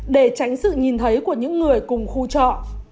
để tránh sự nhìn thấy của những người cùng khu trọ